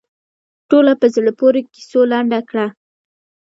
ټوله په زړه پورې کیسو لنډه کړه.